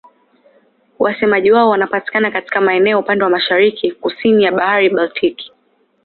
Wasemaji wao wanapatikana katika maeneo upande wa mashariki-kusini ya Bahari Baltiki.